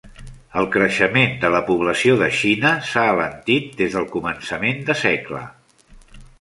El creixement de la població de Xina s'ha alentit des del començament de segle.